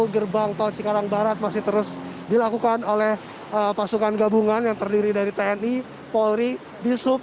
gerbang tol cikarang barat masih terus dilakukan oleh pasukan gabungan yang terdiri dari tni polri bisub